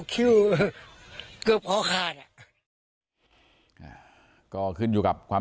ใช่ค่ะ